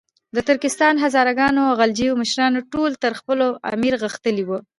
د ترکستان، هزاره ګانو او غلجیو مشران ټول تر خپل امیر غښتلي وو.